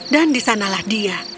dan disanalah dia